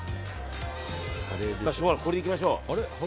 これでいきましょう！